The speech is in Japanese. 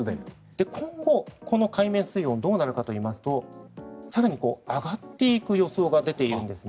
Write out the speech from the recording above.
今後、この海面水温どうなるかといいますと更に上がっていく予想が出ているんです。